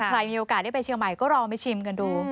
มีโอกาสได้ไปเชียงใหม่ก็ลองไปชิมกันดู